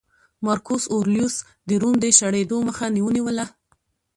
مارکوس اورلیوس د روم د شړېدو مخه ونیوله